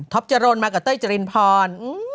ธ๊อปจรวลมากับเต้ยจรินพร